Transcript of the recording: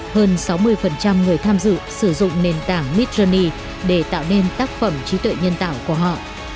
hơn sáu mươi người tham dự sử dụng nền tảng mitchery để tạo nên tác phẩm trí tuệ nhân tạo của họ